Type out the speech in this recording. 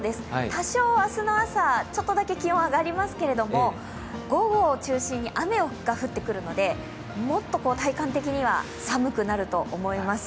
多少、明日の朝、ちょっとだけ気温上がりますけれども午後を中心に雨が降ってくるので、もっと体感的には寒くなると思います。